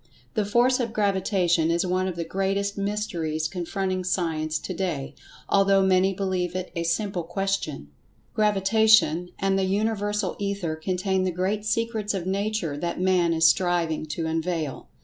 The Force of Gravita[Pg 120]tion is one of the greatest mysteries confronting Science to day, although many believe it a simple question. Gravitation and the Universal Ether contain the great secrets of Nature that Man is striving to unveil.